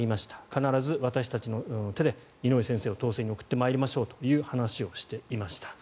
必ず私たちの手で井上先生を当選に送ってまいりましょうという話をしていました。